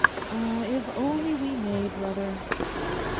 " Ah, if only we may, brother.